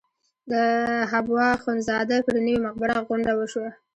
د حبواخندزاده پر نوې مقبره غونډه وشوه.